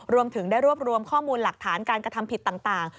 รวมถึงได้รวบรวมข้อมูลหลักฐานการกระทำผิดต่าง